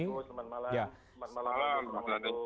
pak agus selamat malam selamat malam